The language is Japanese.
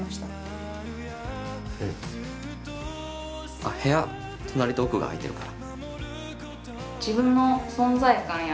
あっ部屋隣と奥が空いてるから。